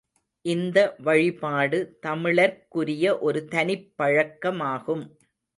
இந்த வழிபாடு தமிழர்க்குரிய ஒரு தனிப் பழக்கமாகும்.